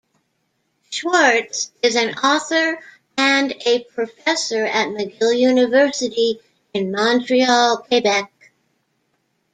Schwarcz is an author and a professor at McGill University in Montreal, Quebec.